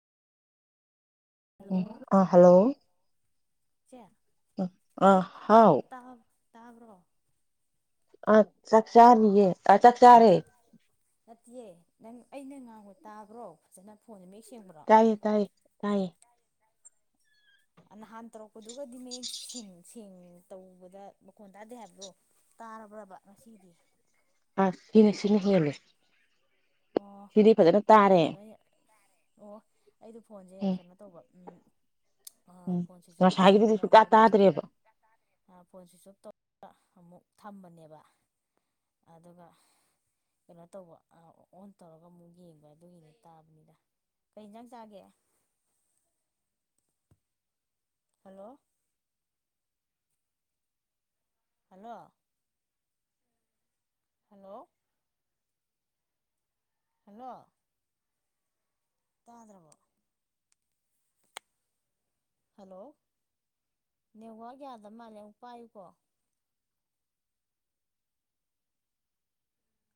Hello ꯑꯥ hello ꯆꯦ ꯑ ꯍꯥꯎ꯫ ꯇꯥꯕ꯭ꯔꯣ꯫ [inaudible] ꯆꯥꯅꯤꯌꯦ ꯑ ꯆꯥꯛ ꯆꯥꯔꯦ꯫ ꯅꯠꯇꯦ ꯅꯪ ꯑꯩꯅ ꯉꯥꯡꯕ ꯇꯥꯕ꯭ꯔꯣ ꯐꯖꯅ ꯐꯣꯟꯖꯦ [unintelligible] ꯇꯥꯏꯌꯦ ꯇꯥꯏꯌꯦ ꯇꯥꯏꯌꯦ ꯑ ꯍꯥꯟ ꯇ꯭ꯔꯣ ꯄꯨꯗꯒꯗꯤ ꯃꯌꯦꯛ ꯁꯦꯡꯉꯦ ꯁꯦꯡ ꯇꯧꯕꯗ ꯃꯈꯣꯟ ꯇꯥꯗꯦ ꯍꯥꯏꯕꯗꯣ ꯇꯥꯔꯕ꯭ꯔꯕ ꯉꯁꯤꯗꯤ ꯑ ꯁꯤꯅ ꯁꯤꯅ ꯐꯔꯦ ꯑꯣ ꯁꯤꯗꯤ ꯐꯖꯅ ꯑꯩ ꯇꯥꯔꯦ ꯐꯣꯟꯗꯣ ꯑꯩ ꯑꯣ ꯑꯩꯗꯣ ꯐꯣꯟꯁꯦ ꯎꯝ ꯀꯩꯅꯣ ꯇꯧꯕ ꯎꯝ ꯎꯝ ꯐꯣꯟ ꯁ꯭ꯋꯤꯆ ꯑꯣꯞ ꯉꯁꯥꯏꯒꯤꯗꯨꯗꯤ ꯇꯝꯖꯜꯂꯒ ꯁꯨꯛꯇꯥ ꯑꯃꯨꯛ ꯔꯤꯏꯁꯇꯥꯔꯠ ꯇꯥꯗ꯭ꯔꯦꯕ ꯐꯣꯟ ꯁ꯭ꯋꯤꯆ ꯑꯣꯞ ꯇꯧꯔꯒ ꯑꯃꯨꯛ ꯊꯝꯕꯅꯦꯕ ꯑꯗꯨꯒ ꯀꯩꯅꯣ ꯇꯧꯕ ꯑꯣꯟ ꯇꯧꯔꯒ ꯑꯃꯨꯛ ꯌꯦꯡꯕ ꯑꯗꯨꯒꯤꯅꯣ ꯇꯥꯕꯅꯤꯗ ꯀꯩ ꯌꯦꯟꯖꯥꯡ ꯆꯥꯒꯦ ꯍꯜꯂꯣ ꯍꯜꯂꯣ ꯍꯜꯂꯣ ꯍꯜꯂꯣ ꯇꯥꯟꯗ꯭ꯔꯕꯣ ꯍꯜꯂꯣ ꯅꯦꯋꯥꯛꯌꯥꯗ ꯃꯥꯜꯂꯦ ꯑꯃꯨꯛ ꯄꯥꯏꯌꯨꯀꯣ